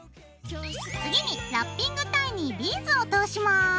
次にラッピングタイにビーズを通します。